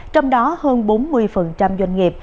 trong đó hơn bốn mươi doanh nghiệp